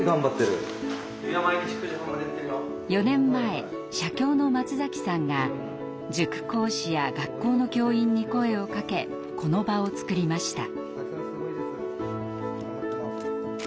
４年前社協の松崎さんが塾講師や学校の教員に声をかけこの場を作りました。